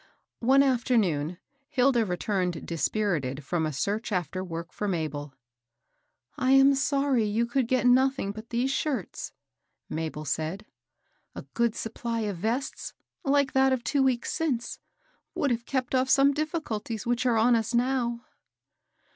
One afternoon, Hilda returned dispirited from a search after work for Mabel. " I am sorry you could get nothing but these shirts,^' Mabel said. " A good supply of vests, like that of two weeks since, would have kept off some difficulties which are on us now."